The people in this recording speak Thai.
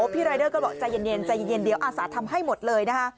พี่รายเดอร์ก็บอกใจเย็นเดี๋ยวอาสาทำให้หมดเลย